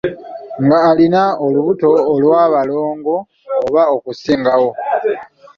Ng'alina olubuto olw'abalongo oba okusingawo